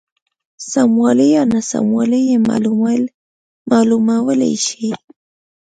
سموالی یا ناسموالی یې معلومولای شي.